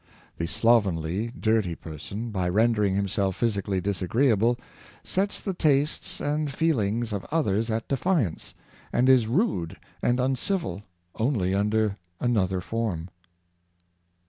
The slovenly, dirty person, by rendering himself physically disagreeable, sets the tastes and feelings of others at defiance, and is rude and un civil, only under another form.